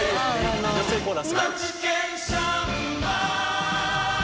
「女性コーラスが」